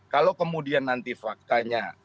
kalau kemudian nanti faktanya